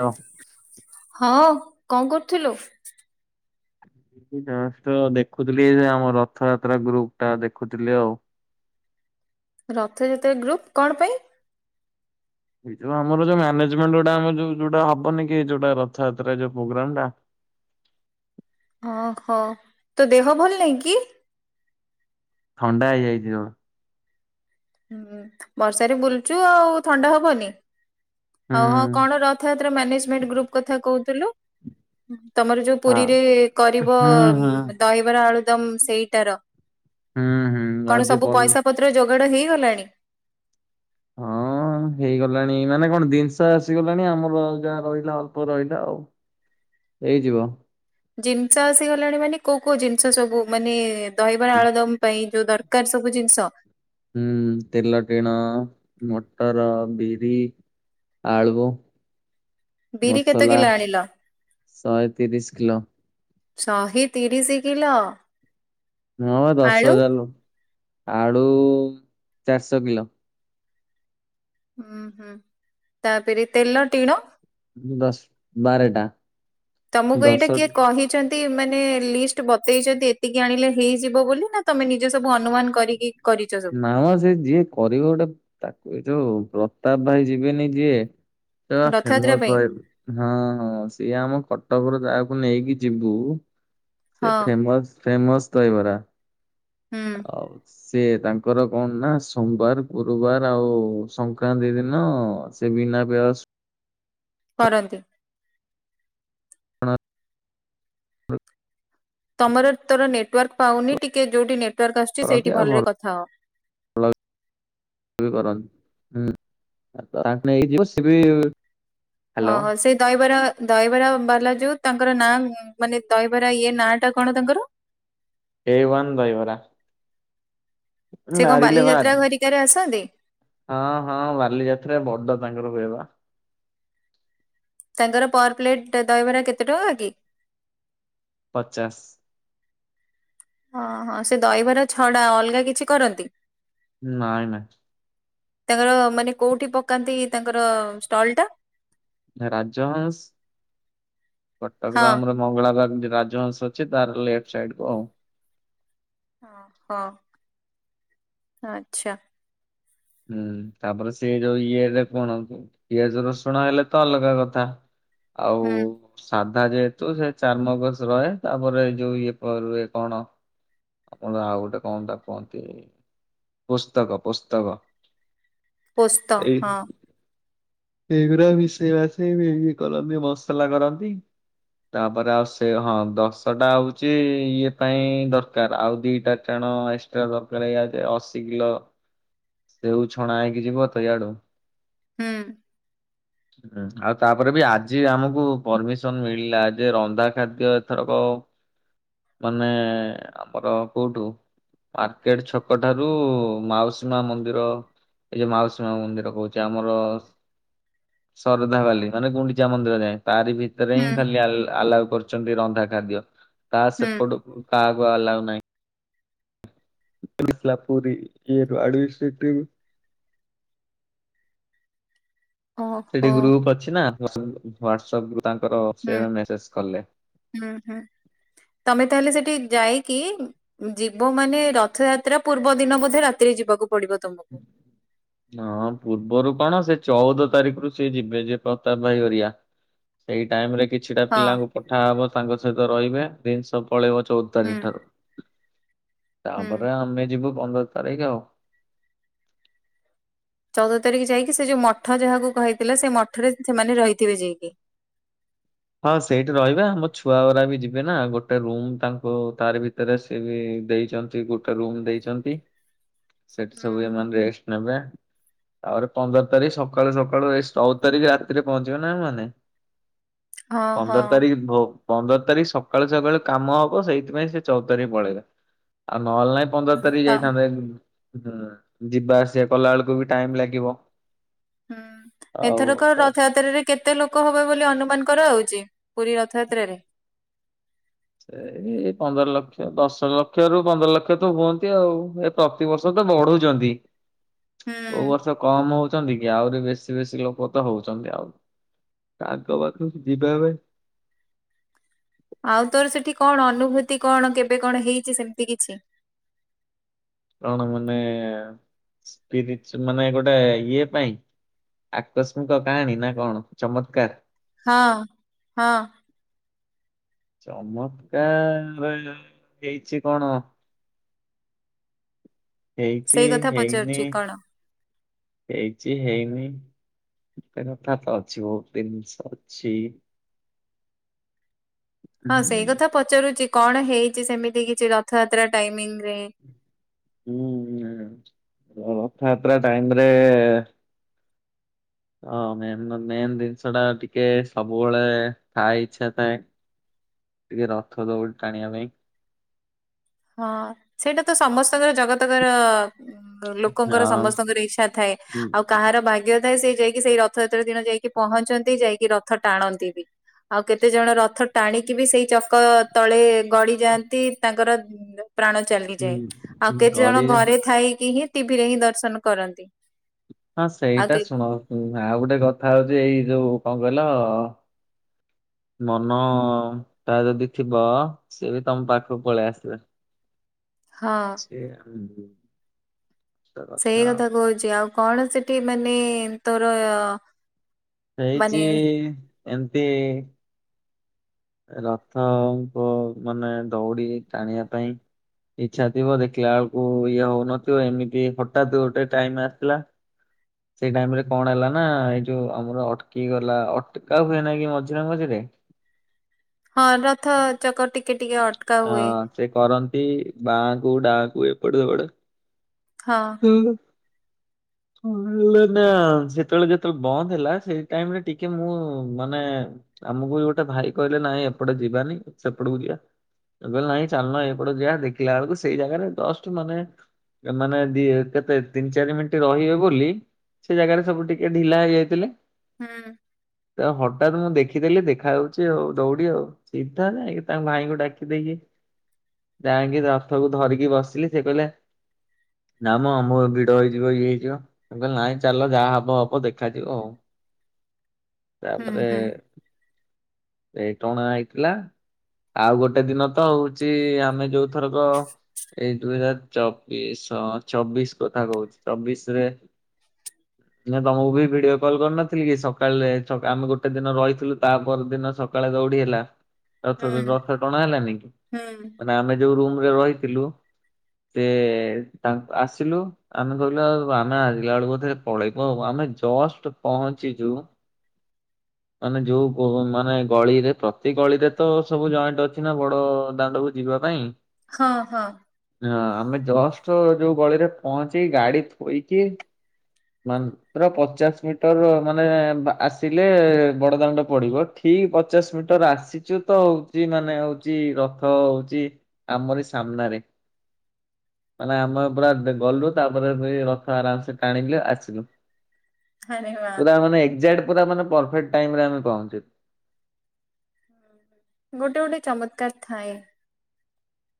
ହଁ [unintelligible] ହଁ କଣ କରୁଥିଲୁ? ଜଷ୍ଟ ଦେଖୁଥିଲି ସେ ଆମ ରଥଯାତ୍ରା ଗ୍ରୁପ ଟା ଦେଖୁଥିଲି ଆଉ। ରଥଯାତ୍ରା ଗ୍ରୁପ କଣ ପାଇଁ? ଏଇ ଯୋଉ ଆମର ଯୋଉ ମାନେଜମେଣ୍ଟ ଯୋଟା ଆମ ଯୋଉ ଯଉଟା ହବନି କି ଯୋଉଟା ରଥଯାତ୍ରା ଯୋଉ ପ୍ରୋଗ୍ରାମ ଟା। ଅ ହ ତୋ ଦେହ ଭଲ ନାହିଁ କି? ଥଣ୍ଡା ହେଇଯାଇଚି ଜୋରେ। ହୁଁ ବର୍ଷାରେ ବୁଲୁଚୁ ଆଉ ଥଣ୍ଡା ହବନି। ହୁଁ ହଉ ହଁ କଣ ରଥଯାତ୍ରା ମ୍ୟାନେଜମେଣ୍ଟ ଗ୍ରୁପ କଥା କହୁଥିଲୁ? ତମର ଯୋଉ ଆ ପୁରୀରେ କରିବ ହୁଁ ହୁଁ ଦହିବରା ଆଳୁ ଦମ ସେଇଟାର ହୁଁ ହୁଁ କଣ ଆଜି ସବୁ ପର ପଇସା ପତ୍ର ଯୋଗାଡ ହେଇଗଲାଣି? ହଁ ହେଇଗଲାଣି ମାନେ କଣ ଦିନିଷ ଆସିଗଲାଣି ଆମର ଯାହା ରହିଲା ଅଳ୍ପ ରହିଲା ଆଉ। ଏଇଯିବ। ଜିନିଷ ଆସିଗଲାଣି ମାନେ କୋଉ କୋଉ ଜିନିଷ ସବୁ ମାନେ ଦହିବରା ଆଳୁଦମ ପାଇଁ ଯୋଉ ଦରକାର ସବୁ ଜିନିଷ? ଉଁ ତେଲ ଟିଣ, ମଟର, ବିରି ଆଳୁଅ ବିରି କେତେ ମସଲା କିଲୋ ଆଣିଲ ଶହେ ତିରିଶି କିଲୋ। ଶହେ ତିରିଶି କିଲ। ହଁ ବା ଦଶ ହଜାର ଲୋ ଆଳୁ ଚାରଶ କିଲ। ହୁଁ ହୁଁ ତାପରେ ତେଲ ଟିଣ। ଦଶ ବାରେଟା। ତମକୁ ଏଇଟା କିଏ କହିଚନ୍ ମାନେ ଲିଷ୍ଟ ବତେଇଚନ୍ତି ଏତିକି ଆଣିଲେ ହେଇଯିବ ବୋଲି ନା ତମେ ନିଜେ ସବୁ ଅନୁମାନ କରିକି କରିଛ ସବୁ ନା ମ ସେ ଯିଏ କରିବ ଗୋଟେ ତାକୁ ଏ ଯୋଉ ପ୍ରତାପ ଭାଇ ଯିବେନି ଯିଏ [unintelligible] ସେ ରଥଯାତ୍ରା ଫେମସ ପାଇଁ ହଁ ହଁ ସିଏ ଆମ କଟକର ଯାହାକୁ ନେଇକି ଯିବୁ ସେ ହଁ ଫେମସ ଫେମସ ଦହିବରା। ହୁଁ ସିଏ ତାଙ୍କର କଣ ନା ସୋମବାର ଗୁରୁବାର ଆଉ ସଂକ୍ରାନ୍ତି ଦିନ ସେ ବିନା ପିଆଜ କରନ୍ତି। [unintelligible] ତମର ତୋର ନେଟୱାର୍କ ପାଉନି ଟିକେ ଯୋଉଠି ନେଟୱାର୍କ ଆସୁଚି ସେଇଠି ଭଲରେ କଥା ହୋ। ଅ କରନ୍ତି ହୁଁ କାହାକୁ ନେଇକି ବସିବି ଓହୋ ସେ ଦହିବରା ଦହିବରା ବାଲା ଯୋଉ ତାଙ୍କର ନାଁ ମାନେ ଦହିବରା ଇଏ ନାଁ ଟା କଣ ତାଙ୍କର? ଏ ୱାନ୍ ଦହିବରା। ସେ କଣ ନାରିଲେ ବାଦ ବାଲିଯାତ୍ରା ଘରିକାରେ ଆସନ୍ତି? ହଁ ହଁ ବାଲିଯାତ୍ରା ବଡ଼ ତାଙ୍କର ହୁଏବା। ତାଙ୍କର ପର ପ୍ଲେଟ ଦହିବରା କେତେ ଟଙ୍କା କି? ପଚାଶ ହଁ ହଁ ସେ ଦହିବାର ଛଡ଼ା ଅଲଗା କିଛି କରନ୍ତି? ନାଇଁ ନାଇଁ। ତାଙ୍କର ମାନେ କୋଉଠି ପକାନ୍ତି ତାଙ୍କର ଷ୍ଟଲ ଟା? ରାଜହଂସ ହଁ। କଟକର ଆମର ମଙ୍ଗଳାବାର ରାଜହଂସ ଅଛି ତାର ଲେଫ୍ଟ ସାଇଡ କୁ ଆଉ ଓହୋ ଆଚ୍ଛା। ହୁଁ ତାପରେ ସେ ଯୋଉ ଇଏ ର କଣ କୁ ପିଆଜ ରସୁଣ ହେଲେ ତ ଅଲଗା କଥା ଆଉ ହୁଁ ସାଧା ଯେହେତୁ ସେ ଚାରମଗଜ ରହେ ତାପରେ ଯୋଉ ଇଏ ପରେ କଣ ଆପଣ ଆଉ ଗୋଟେ କଣ ତାକୁ କୁହନ୍ତି ପୁସ୍ତକ ପୁସ୍ତକ। ପୁସ୍ତ ହଁ। ଏଇ ଗୁରା ମିସେଇ ମାସେଇ ଇଏ କରନ୍ତି ମସଲା କରନ୍ତି। ତାପରେ ଆଉ ସେ ହଁ ଦଶଟା ହୋଉଚି ଇଏ ପାଇଁ ଦରକାର ଆଉ ଦିଇଟା କଟାଣ ଏକ୍ସଟ୍ରା ଦରକାର ଏଇଆ ଯେ ଅଶୀ କିଲୋ ହଁ ସେଉ ଛଣା ହେଇକି ଯିବ ତଇଆଡୁ ହୁଁ ହୁଁ ଆଉ ତାପରେ ବି ଆଜି ଆମକୁ ପରମିସନ ମିଳିଲା ଯେ ରନ୍ଧା ଖାଦ୍ୟ ଏଥରକ [inaudible] ମାନେ ଆମର କୋଉଠୁ ମାର୍କେଟ ଛକ ଠାରୁ ମାଉସୀ ମା ମନ୍ଦିର ଏଇ ଯେଉ ମାଉସୀ ମା ମନ୍ଦିର କହୁଛି ଆମର ଶରଧା ବାଲି ମାନେ ଗୁଣ୍ଡିଚା ମନ୍ଦିର ଯାଏ ତାରି ଭିତରେ ହିଁ ହୁଁ ଖାଲି ଆଲାଉ କରୁ ଚନ୍ତି ରନ୍ଧାଖାଦ୍ୟ ତା ହୁଁ। ସେପଟକୁ କାହାକୁ ଆଲାଓ ନାହିଁ। କାଲି ଥିଲା ପୁରୀ ଇଏରୁ [unintelligible] ସେଠି ଓହୋ ଗ୍ରୁପ ଅଛି ନା ହ୍ୱାଟ୍ସଅପ୍ ତାଙ୍କର ହୁଁ ସେବେ ମେସେଜ କଲେ ହୁଁ ହୁଁ ତମେ ତାହେଲେ ସେଠି ଯାଇକି ଯିବ ମାନେ ରଥଯାତ୍ରା ପୂର୍ବ ଦିନ ବୋଧେ ରାତିରେ ଯିବାକୁ ପଡ଼ିବ। ହୁଁ [unintelligible] ହଁ ପୂର୍ବରୁ କଣ ସେ ଚଉଦ ତାରିଖରୁ ସିଏ ଯିବେ, ଯେ ପ୍ରତାପ ଭାଇ ଘରିକା। ସେଇ ଟାଇମ୍ ରେ କିଛିଟା ହଁ ପିଲାଙ୍କୁ ପଠାହବ। ତାଙ୍କ ସହିତ ରହିବେ, ଜିନିଷ ପଳେଇବ ଚଉଦ ହୁଁ ତାରିଖ ଠାରୁ। ହୁଁ। ତାପରେ ଆମେ ଯିବୁ ପନ୍ଦର ତାରିଖ ଆଉ। ଚଉଦ ତାରିଖ ଯାଇକି ସେ ଯୋଉ ମଠ ଯାହାକୁ କହିଥିଲା, ସେ ମଠରେ ସେମାନେ ରହିଥିବେ ଯାଇକି। ହଁ ସେଇଠି ରହିବା। ମୋ ଛୁଆ ଗୁରା ବି ଯିବେ ନା, ଗୋଟେ ରୁମ୍ ତାଙ୍କ ତାର [unintelligible] ରେ ସେ ବି ଦେଇଛନ୍ତି, ଗୋଟେ ରୁମ ଦେଇଛନ୍ତି। [inaudible] ସେଠି ସବୁ ଏମାନେ ରେଷ୍ଟ ନେବେ, ଆହୁରି ପନ୍ଦର ତାରିଖ ସକାଳୁ ସକାଳୁ ଯାଇ ଚଉଦ ତାରିଖ ରାତିରେ ପହଞ୍ଚିବ ନା ନାହିଁ? ହଁ ହଁ ପନ୍ଦର ତାରିଖ ଭୋ ପନ୍ଦର ତାରିଖ ସକାଳୁ ସକାଳୁ କାମ ହବ। ସେଇଥିପାଇଁ ସେ ଚଉଦ ତାରିଖ ପଳେଇବେ, ଆଉ ନହେଲେ ନାଇଁ ପନ୍ଦର ତାରିଖ ତ ଯାଇଥାନ୍ତେ। ହୁଁ। ଯିବା ଆସିବା କଲା ବେଳକୁ ବି ଟାଇମ୍ ଲାଗିବ। ହୁଁ, ଆଉ ଏଥରକ ରଥଯାତ୍ରାରେ କେତେ ଲୋକ ହବ ବୋଲି ଅନୁମାନ କରାହେଉଛି? ପୁରୀ ରଥଯାତ୍ରାରେ? ସେଇ ଏଇ ପନ୍ଦର ଲକ୍ଷ, ଦଶ ଲକ୍ଷ ରୁ ପନ୍ଦର ଲକ୍ଷ ତ ହୁଅନ୍ତି ଆଉ, ଏ ପ୍ରତିବର୍ଷ ତ ବଢୁଛନ୍ତି। [inaudible] କୋଉ ବର୍ଷ କମ ହଉଛନ୍ତି କି, ଆହୁରି ବେଶୀ ବେଶୀ ଲୋକ ତ ହଉଛନ୍ତି ଆଉ। ତାଙ୍କ ପାଖରୁ ଯିବା ଏବେ ଆଉ ତୋର ସେଠି କଣ ଅନୁଭୂତି କଣ? କେବେ କଣ ହେଇଛି ସେମିତି କିଛି? କଣ ମାନେ ସ୍ପିରିଟ, ମାନେ ଗୋଟେ ଇଏ ପାଇଁ ଆକସ୍ମିକ କାହାଣୀ ନା କଣ ଚମତ୍କାର? ହଁ, ହଁ। ଚମତ୍କାର [unintelligible] ହେଇଛି କଣ? ହେଇଛି ସେଇ କଥା ହେଇନି, ପଚାରୁଛି କଣ? ହେଇଛି ହେଇନି। କଥା ତ ଅଛି ବହୁତ। ଜିନିଷ ଅଛି ହଁ ସେଇ କଥା ପଚାରୁଛି? କଣ ହେଇଛି ସେମିତି କିଛି ରଥଯାତ୍ରା ଟାଇମିଂ ରେ? ହୁଁ, ହ ରଥଯାତ୍ରା ଟାଇମ୍ ରେ ହଁ, ମେନ ମେନ୍ ଜିନିଷ ଟା ଟିକେ ସବୁବେଳେ ଥାଇ ଇଚ୍ଛା ଥାଏ ଟିକେ ରଥ ଦଉଡି ଟାଣିବା ପାଇଁ। ହଁ, ସେଇଟା ତ ସମସ୍ତଙ୍କର ଜଗତକର ଲୋକଙ୍କର ଆଉ ସମସ୍ତଙ୍କର ଇଛା ଥାଏ। ଆଉ କାହାର ଭାଗ୍ୟ ଥାଏ, ସେ ଯାଇକି ସେଇ ରଥଯାତ୍ରା ଦିନ ଯାଇକି ପହଞ୍ଚନ୍ତି, ଯାଇକି ରଥ ଟାଣନ୍ତି ବି। ଆଉ କେତେ ଜଣ ରଥ ଟାଣିକି ବି ସେଇ ଚକ ତଳେ ଗଡି ଯାଆନ୍ତି। ତାଙ୍କର ପ୍ରାଣ ଚାଲିଯାଏ। ଆଉ କେତେ ଜଣ ଗଡି ଘରେ ଥାଇକି ହିଁ ଟିଭିରେ ହିଁ ଦର୍ଶନ କରନ୍ତି। ହଁ, ଆଉ ସେଇଟା କେ ଶୁଣ? ଆଉ ଗୋଟେ କଥା ହଉଛି ଏଇ ଯୋଉ କଣ କହିଲ ମନଟା ଯଦି ଥିବ, ସିଏବି ତମ ପାଖକୁ ପଳେଇ ଆସିବେ। ହଁ। ସେ ଆ [unintelligible] ସେଇ କଥା କହୁଛି। ଆଉ କଣ ସେଠି ମାନେ ତୋର ମାନେ ହେଇଛି, ଏମିତି ରଥଙ୍କୁ ମାନେ ଦୌଡି ଟାଣିବା ପାଇଁ ଇଚ୍ଛା ଥିବ ଦେଖିଲା ବେଳକୁ ଇଏ ହଉନଥିବ। ଏମିତି ହଠାତ୍ ଗୋଟେ ଟାଇମ୍ ଆସିଥିଲା। ସେଇ ଟାଇମ୍ ରେ କଣ ହେଲା ନା? ଏଇ ଯୋଉ ଆମର ଅଟକି ଗଲା ଅଟକା ହୁଏ ନାଇକି ମଝିରେ ମଝିରେ। ହଁ ରଥ ଚକ ଟିକିଏ ଟିକିଏ ଅଟ ହଁ ସେ କରନ୍ତି ବହୁଡାକୁ୍ ଏପଟେ ସେପଟେ। ହଁ। ହୁଁ ହୁଁ। [inaudible] [unintelligible] ନାଁ ସେତେବେଳେ ଯେତେବେଳେ ବନ୍ଦ ହେଲା ସେଇ ଟାଇରେ ଟିକିଏ ମୁଁ ମାନେ ଆମକୁବି ଗୋଟେ ଭାଇ କହିଲେ ନାଇଁ ଏପଟେ ଯିବାନି ସେପଟକୁ ଯିବା। ମୁଁ କହିଲି ନାଇଁ ଚାଲୁନ ଏପଟେ ଯିବା ଦେଖିଲା ବେଳକୁ ସେଇ ଜାଗାରେ ଜଷ୍ଟ ମାନେ ମାନେ ଦି କେତେ ତିନି ଚାରି ମିନିଟ ରହିବେ ବୋଲି ସେ ଜାଗାରେ ସବୁ ଟିକିଏ ଢିଲା ହେଇଯାଇଥିଲା ହୁଁ। ତା ହଠାତ ମୁଁ ଦେଖିଦେଲି ଦେଖାଯାଉଛି ଆଉ ଦୌଡି ଆଉ ସିଧା ଯାଇକି ତା ମାଇଁଙ୍କୁ ଡାକି ଦେଇକି ଯାଇକି ରଥକୁ ଧରିକି ବସିଲି ସେକହିଲା। ନାଁମ ଆମ ଭିଡ ହେଇଯିବ ଇଏ ହେଇଯିବ କହିଲେ ନାଇଁ ଚାଲ ଯାହା ହବ ହବ ଦେଖାଯିବ ଆଉ। ହୁଁ ତାପରେ ହୁଁ। ଏଇ ଟଣା ହେଇଥିଲା ଆଉ ଗୋଟେ ଦିନତ ହଉଛି ଆମେ ଯୋଉ ଥରକ ଏଇ ଦୁଇ ହଜାର ଚବିଶ ଚବିଶି କଥା କହୁଛି ଚବିଶିରେ [unintelligible] ନାଁ ତମକୁବି ଭିଡିଓ କଲ କରିନଥିଲିକି ସକାଳେରେ ଆମେ ଗୋଟେ ଦିନ ରହିଥିଲୁ ତାପରଦିନ। ସକାଳେ ଦୌଡି ହେଲା ରଥ ହୁଁ ରଥଟଣା ହେଲାନିକି। ହୁଁ ନାଁ ଆମେ ଯୋଉ ରୁମରେ ରହିଥିଲୁ। ସେ ତାଙ୍କ ଆସିଲୁ ଆମେକହିଲୁ ଆଉ ଆମେଆସିଲା ବେଳକୁ ବୋଧେ। ପଳେଇବ ଆଉ ଆମେ ଜଷ୍ଟ ପହଞ୍ଚିଚୁ ମାନେ ଯୋଉ ମାନେ ଗଳିରେ ପ୍ରତି ଗଳିରେତ ସବୁ ଜଏଣ୍ଟ ଅଛିନା ବଡ ଦାଣ୍ଡବୋଲି। ଯିବାପାଇଁ। ହଁ ହଁ। ହଁ ଆମେ ଜଷ୍ଟ ଯୋଉ ଗଳିରେ ପହଞ୍ଚିି ଗାଡି ଥୋଇକି ମାନେ ପୁରା ପଚାଶ ମିଟର ମାନେ ଆସିଲେ ବଡଦାଣ୍ଡ ପଡିବ ଠିକ ପଚାଶ ମିଟର ଆସିଚୁତ ହଉଛି ମାନେ ହଉଛି ରଥ ହଉଛି। ଆମର ଏଇ ସାମ୍ନାରେ ମାନେ ଆମେ ପୁରା ଗଲୁ ତାପରେ ସେଇ ରଥ ଆରାମସେ ଟାଣିଲି ଆସିଲୁ। [inaudible] ବାଃ ପୁରା ମାନେ ଏକେଜାଟ ପୁରା ମାନେ ପରଫେକ୍ଟ ଟାଇରେ ଆମେ ପହଞ୍ଚିଲୁ। ଗୋଟେ ଗୋଟେ ଚମତ୍କାର ଥାଏ।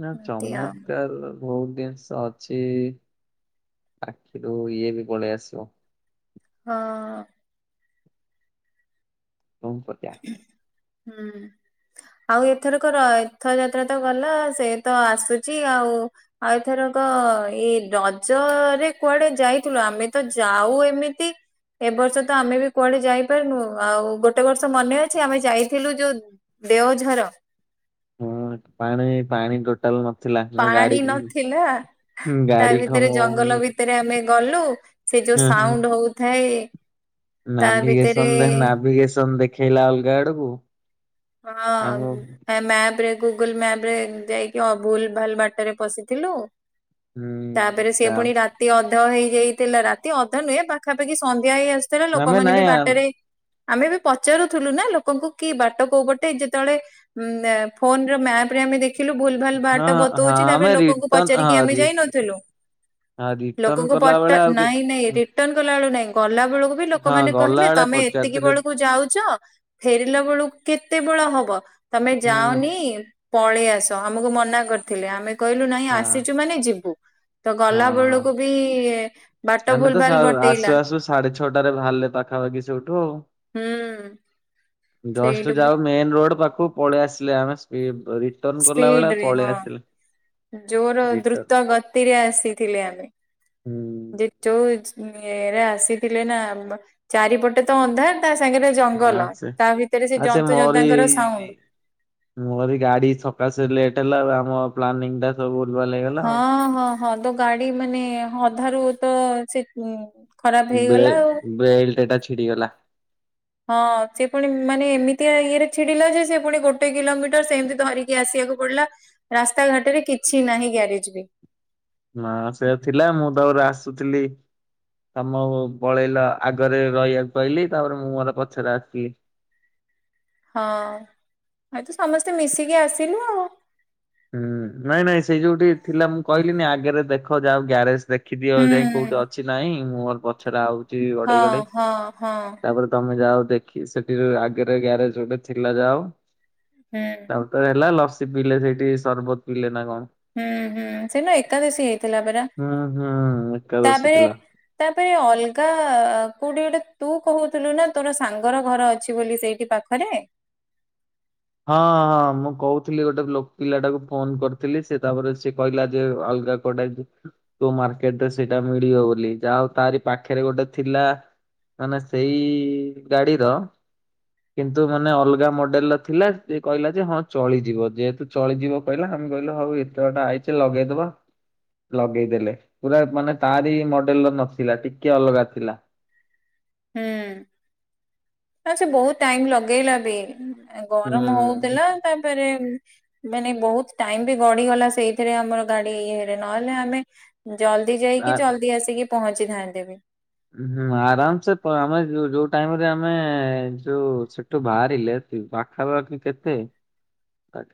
ନାଁ ଏମିତି ଆଉ ଚମତ୍କାରର। ବହୁତ ଜିନିଷଅଛି ଆଖିରୁୁ ଇଏବି ପଳେଇଆସିବ। ହଁ। ହୋଉ କରିବା। [unintelligible] ହୁଁ। ଆଉ ଏଥରକ ର ଏଥରକତ ଗଲା ସେତ ଆସୁଛି ଆଉ। ଆଉ ଏଥରକ ଏଇ ରଜରେ କୁଆଡେ ଯାଇଥିଲ ଆମେତ ଯାଉ ଏମିତି। ଏ ବର୍ଷତ ଆମେବି କୁଆଡେ ଯାଇପାରନୁ ଆଉ ଗୋଟେବର୍ଷ। ସ ମନେଅଛି ଆମେ ଯାଇଥିଲୁ ଯୋଉ ଦେଓଝର। ଉୁଁ ପାଣି ପାଣି ଗୋ ପାଣି ନଥିଲା ଗାଡି ଖମ ତାଭିତରେ ଜଙ୍ଗଲ ଭିତରେ ଆମେଗଲୁ। ସେ ଯୋଉ ସାଉଣ୍ଡ୍ ହଉଥାଏ ତା ଭିତରେ ନାଭିଗେସନ୍ ଦେନ୍ ନାଭିଗେସନ୍ ଦେଖେଇଲା ଅଲଗା ଆଡୁକୁ ହଁ [unintelligible] ଏଁ ମ୍ୟାପ୍ ରେ ଗୁଗୁଲ୍ ମ୍ୟାପ୍ ରେ ଯାଇକି ଅ ଭୁଲ୍ ଭାଲ୍ ବାଟେରେ ପଶିଥିଲୁ? ହୁଁ ତାପେରେ ସିଏ ତା- ପୁଣି ରାତ୍ ତି ଅଧ ହେଇଯାଇଥିଲା ରାତି ଅଧ ନୁହେଁ ପାଖାପାଖି ସନ୍ଧ୍ୟା ହେଇ ଆସୁଥିଲା ଆମେ ଲୋକମାନେ ବି ନାଇଁ ଆମ୍- ବାଟେରେ ଆମେ ବି ପଚାରୁଥୁଲୁ ନା ଲୋକଙ୍କୁ କି ବାଟ କୋଉ ପଟେ ଯେତବେଳେ ଉଁ [unintelligible] ଫୋନ ର ମ୍ୟାପ୍ ରେ ଆମେ ଦେଖ୍ ଖିଲୁ ଭୁଲ୍ ଭାଲ୍ ହଁ ବାଟ ହଁ ବତୋଉଚି ଆମେ ତାପରେ ଲୋକଙ୍କୁ ରିଟର୍ଣ ପଚାରିକି ହଁ ଆମେ ରି ଯାଇ ନଥିଲୁ? ହଁ ରିଟର୍ଣ ଲୋକଙ୍କୁ କଲା ପଟା ବେଳେ ଆଉ କି ନାଇଁ ନାଇଁ ଏଟିଟ୍ ରିଟର୍ଣ କଲାବେଳୁ ନାଇଁ ଗଲା ବେଳୁକୁ ବି ହଁ ଲୋକମାନେ କହିଲେ ଗଲାବେଳେ ତମେ ଏତିକି ପଚାରିଥିଲେ ବଳୁକୁ ଯାଉଚ? ଫେରିଲା ବଳୁକୁ କେତେ ବେଳ ହବ ତମେ ହୁଁ ଯାଅନି ପଳେଇ ଆସ ଆମୁକୁ ମନା କରିଥିଲେ ଆମେ କହିଲୁ ନାଇଁ ହଁ ଆସିଚୁ ମାନେ ଯିବୁ ତ ହଁ ଗଲା ହଁ ବଳକୁ ବି ବାଟ ଭୁଲ୍ ଭାଲ୍ ବଟେଇଲା ସାଢ଼େ ଛଅଟାରେ ବାହାରିଲେ ପାଖାପାଖି ସେଉଠୁ ଆଉ। ହୁଁ। ଜଷ୍ଟ ସେଇଠୁ ଯାଅଉ ମେନ୍ ରୋଡ୍ ପାଖୁକୁ ପଳେଇ ଆସିଲେ ଆମେ [inaudible] ତମ୍ କଲା ସ୍ପିଡ ଭଳିଆ ରେ ପଳେଇ ହଁ ଆସିଲେ ଜୋର ରିଟର୍ନ ଦ୍ରୁତ ଗତିରେ ଆସିଥିଲେ ହୁଁ ଆମେ ଯୋଉ ଇରେ ଆସିଥିଲେ ନା ଚାରିପଟେ ତ ଅନ୍ଧାର୍ ତା ସାଙ୍ଗେରେ ହଁ ଜଙ୍ଗଲ ସେ ତା ଭିତରେ ସେ ଆ ଜନ୍ତୁ ଜୁନ୍ତାଙ୍କର ସାଉଣ୍ଡ୍ ମୁଁ କହିଲି ଗାଡି ସକାଶେ ଲେଟ୍ ହେଲା ଆମ ପ୍ଲାନିଂ ଟା ମାଲୋ [unintelligible] ହଁ ହଁ ହଁ ତୋ ଗାଡି ମାନେ ହଁ ଅଧାରୁ ତ ସେ ଖରାପ ହେଇଗଲା ବେଲ୍, ଆଉ ବେଲ୍ଟଟଟା ଛିଡିଗଲା। ହଁ ସେ ପୁଣି ମାନେ ଏମିତିଆ ଇଏରେ ଛିଡିଲା ଯେ ସେ ପୁଣି ଗୋଟେ କିଲୋମିଟର ସେମିତି ଧରି ଇଏ ଆସିଆକୁ ପଡିଲା ରାସ୍ତା ଘାଟେରେ କିଛି ନାହିଁ ଗ୍ୟାରେଜ୍ ବି ନାଁ ସେ ଥିଲା ମୁଁ ତାପରେ ଆସୁଥିଲି। ତମ ପଳେଇଲ ଆଗରେ ରହିବାକୁ କହିଲି ତାପରେ ମୁଁ ମୋର ପଛରେ ଆସିଲି। ହଁ ଆ ତୁ ସମସ୍ତେ ମିଶିକି ଆସିଲୁ ଆଉ। ହୁଁ ନାଇଁ ନାଇଁ ସେଇ ଯୋଉଠି ଥିଲା ମୁଁ କହିଲିିନି ଆଗେରେ ଦେଖ ଯାଅ ଗ୍ୟାରେଜ୍ ଦେଖ଼୍ ଦେଖିଦିଅ ହୁଁ ଯାଇଁ କୋଉଠି ଅଛି ନାହିଁ ମୁଁ ମୋର ପଛରେ ହଉଚି ହଁ ଗଡେଇ ଗଡେଇ ହଁ ହଁ ତାପରେ ତମେ ଯାଅ ଦେଖି ସେଠିରୁ ଆଗେରେ ଗ୍ୟାରେଜ୍ ଯୋଉ ଗୋଟେ ଥିଲା ଯାଅ ହୁଁ। ବାଟରେ ହେଲା ଲସି ପିଇଲେ ସେଇଠି ସରବତ ପିଇଲେ ନା କଣ? ହୁଁ ହୁଁ ସେଇ ନୁ ଏକାଦେଶୀ ହେଇଥିଲା ପରା ହୁଁ ହୁଁ ଏକାଦଶୀ ତାପେରେ ଥିଲା। ତାପରେ ଅଲଗା କୋଉଠି ଗୋଟେ ତୁ କହୁଥିଲୁ ନା ତୋର ସାଙ୍ଗର ଘର ଅଛି ବୋଲି ସେଇ ଏ ପାଖରେ? ହଁ ହଁ ମୁଁ କହୁଥିଲି ଗୋଟେ ଲୋକ୍ ପିଲାଟାକୁ ଫୋନ କରିଥିଲି ସେ ତାପରେ ସିଏ କହିଲା ଯେ ଅଲଗାକୁ [unintelligible] ତୋ ମାର୍କେଟରେ ସେଇଟା ମିଳିବ ବୋଲି ଯାହାଉ ତାରି ପାଖରେ ଗୋଟେ ଥିଲା ମାନେ ସେଇ ଗାଡ଼ିର କିନ୍ତୁ ମାନେ ଅଲଗା ମଡେଲ୍ ର ଥିଲା ସେ କହିଲା ଯେ ହଁ ଚଳିଯିବ ଯେହେତୁ ଚଳିଯିବ କହିଲା ଆମେ କହିଲୁ ହଉ ଏତେବାଟ ଆଇଚୁ ଲଗେଇଦବା। ଲଗେଇଦେଲେ ପୁରା ମାନେ ତାରି ମଡେଲ୍ ର ନଥିଲା ଟିକେ ଅଲଗା ଥିଲା। ହୁଁ ଆ ସେ ବହୁତ୍ ଟାଇମ୍ ଲଗେଇଲା ଏବେ ଏ ଗରମ ହୁଁ ହଉଥିଲା ତାପରେ ମାନେ ବହୁତ ଟାଇମ ବି ଗଢିଗଲା ସେଇଥିରେ ଆମର ଗାଡି ଇଏରେ ନହେଲେ ଆମେ ଜଲ୍ଦି ଆ ଯାଇକି ଜଲ୍ଦି ଆସିକି ପହଞ୍ଚିଥାନ୍ତେ ବି। ହୁଁ ଆରାମ ସେ ପ ଆମେ ଯୁ ଯୁଟାଇମରେ ଆମେ ଯୁ ଠୁ ବାହାରିଲେ ପାଖାପାଖି କେତେ?